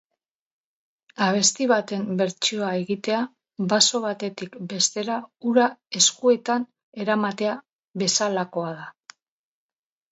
Abesti baten bertsioa egitea baso batetik bestera ura eskuetan eramatea bezalakoa da.